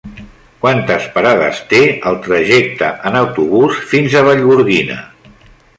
Quantes parades té el trajecte en autobús fins a Vallgorguina?